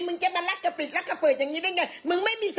มึงจะมาลักกะปิดลักกะเปิดอย่างนี้ได้ไง